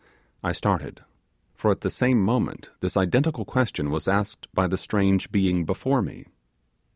I started, for at the same moment this identical question was asked by the strange being before me.